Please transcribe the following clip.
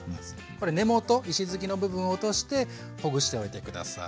これ根元石づきの部分を落としてほぐしておいて下さい。